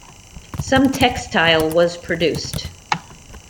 Some textile was produced.